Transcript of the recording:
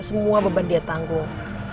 semua beban dia tanggung